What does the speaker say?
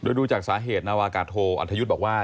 ดูจากสาเหตุนาวากาโทอัธยุทธ์บอกว่า